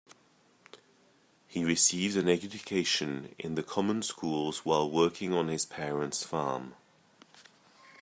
He received an education in the common schools while working on his parent's farm.